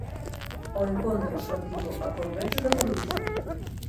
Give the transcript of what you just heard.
O encontro só tivo a cor verde do Coruxo.